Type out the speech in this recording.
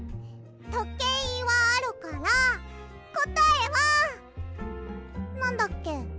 とけいはあるからこたえはなんだっけ？